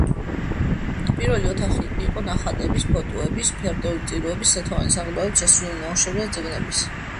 პირველი ოთახი იყო ნახატების, ფოტოების, ფერწერული ტილოების, ზეთოვანი საღებავებით შესრულებული ნამუშევრებისა და წიგნების.